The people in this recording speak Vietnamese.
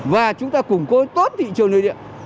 và chúng ta củng cố tốt thị trường nội địa